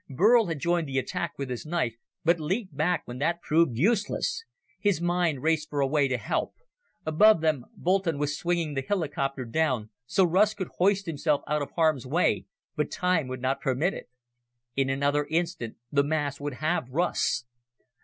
Burl had joined the attack with his knife, but leaped back when that proved useless. His mind raced for a way to help. Above them, Boulton was swinging the helicopter down so Russ could hoist himself out of harm's way, but time would not permit it. In another instant the mass would have Russ.